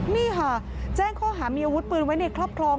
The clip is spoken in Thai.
นี่ค่ะแจ้งข้อหามีอาวุธปืนไว้ในครอบครอง